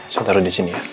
saya taruh di sini ya